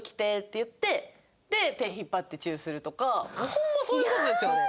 ホンマそういう事ですよね。